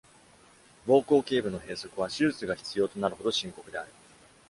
膀胱頸部の閉塞は、手術が必要となるほど深刻である。